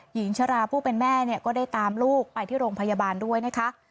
หญิงชราผู้เป็นแม่เนี่ยก็ได้ตามลูกไปที่โรงพยาบาลด้วยนะคะ